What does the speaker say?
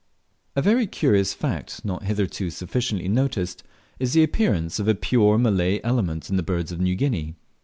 A very curious fact, not hitherto sufficiently noticed, is the appearance of a pure Malay element in the birds of New Guinea.